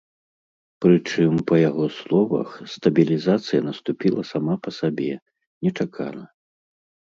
Прычым, па яго словах, стабілізацыя наступіла сама па сабе, нечакана.